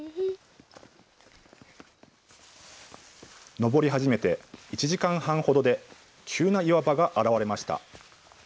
登り始めて１時間半ほどで、急な岩場が現れました。